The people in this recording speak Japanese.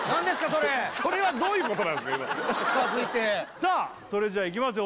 それそれはどういうことなんすか近づいてさあそれじゃいきますよ